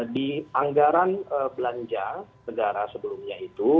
di anggaran belanja negara sebelumnya itu